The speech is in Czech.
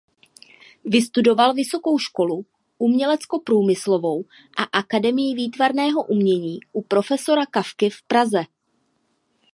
Vystudoval vysokou školu uměleckoprůmyslovou a akademii výtvarného umění u profesora Kafky v Praze.